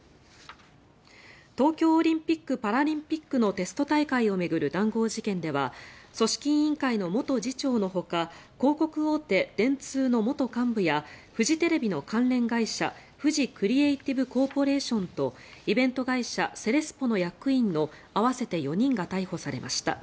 東京オリンピック・パラリンピックのテスト大会を巡る談合事件では組織委員会の元次長のほか広告大手、電通の元幹部やフジテレビの関連会社フジクリエイティブコーポレーションとイベント会社セレスポの役員の合わせて４人が逮捕されました。